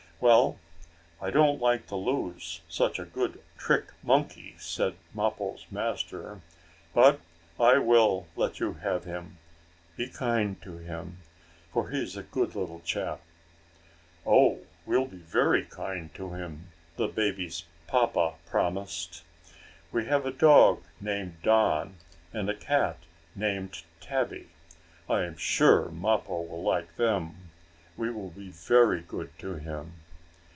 "Well, I don't like to lose such a good trick monkey," said Mappo's master, "but I will let you have him. Be kind to him, for he is a good little chap." "Oh, we'll be very kind to him," the baby's papa promised. "We have a dog named Don, and a cat named Tabby. I am sure Mappo will like them. We will be very good to him."